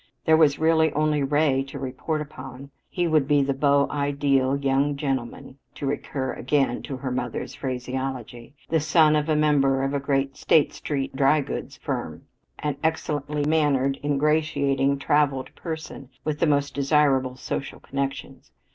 There was really only Ray to report upon. He would be the beau ideal "young gentleman," to recur again to her mother's phraseology, the son of a member of a great State Street dry goods firm, an excellently mannered, ingratiating, traveled person with the most desirable social connections.